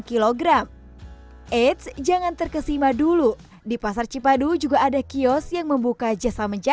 kilogram eits jangan terkesima dulu di pasar cipadu juga ada kios yang membuka jasa